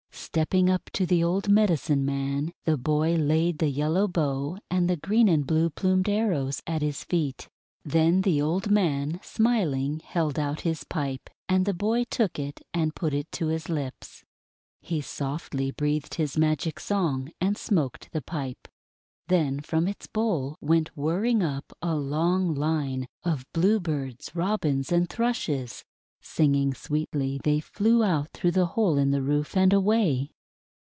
Stepping up to the old Medicine Man, the boy laid the yellow bow and the green and blue plumed arrows at his feet. Then the old Man, smiling, held out his pipe, and the boy took it and put it to his lips. He softly breathed his magic song, and smoked the pipe. Then from its bowl went whirring up a long line of Bluebirds, Robins, and Thrushes; singing sweetly they flew out through the hole in the roof, and away.